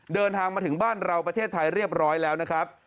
เดินทางมาถึงบ้านเราประเทศไทยเรียบร้อยแล้วนะครับ